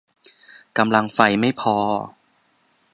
กำลังไฟไม่พอ